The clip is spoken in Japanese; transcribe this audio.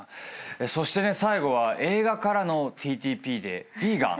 そして最後は映画からのＴＴＰでヴィーガン。